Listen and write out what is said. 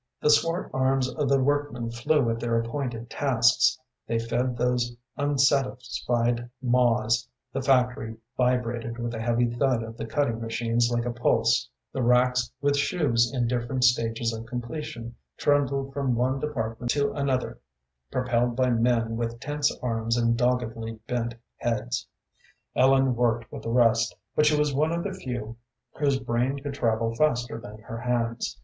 The swart arms of the workmen flew at their appointed tasks, they fed those unsatisfied maws, the factory vibrated with the heavy thud of the cutting machines like a pulse, the racks with shoes in different stages of completion trundled from one department to another, propelled by men with tense arms and doggedly bent heads. Ellen worked with the rest, but she was one of the few whose brain could travel faster than her hands.